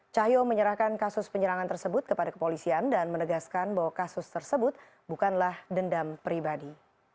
cahyo menyerahkan kasus penyerangan tersebut kepada kepolisian dan menegaskan bahwa kasus tersebut bukanlah dendam pribadi